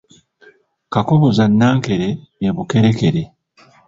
Kakoboza Nankere e Bukerekere.